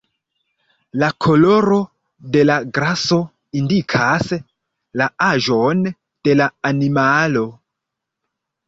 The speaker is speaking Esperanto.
La koloro de la graso indikas la aĝon de la animalo.